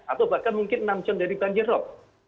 atau bahkan mungkin enam jam dari banjir rob